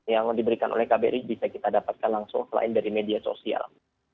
yang diberikan oleh kbri bisa kita dapatkan langsung selain dari media sosial